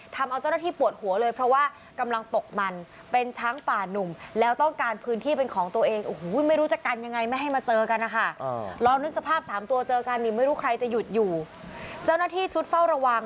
ทำเอาเจ้านักธิปวดหัวเลยเพราะว่ากำลังตกมัน